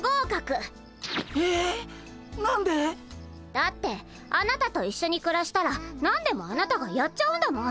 だってあなたと一緒にくらしたら何でもあなたがやっちゃうんだもん。